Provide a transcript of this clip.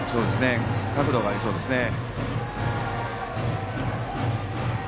角度がありそうですね。